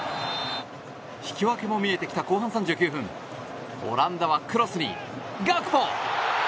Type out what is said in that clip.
引き分けも見えてきた後半３９分オランダはクロスにガクポ！